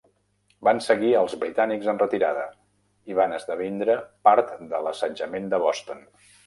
Van seguir als britànics en retirada, i van esdevindre part de l'assetjament de Boston.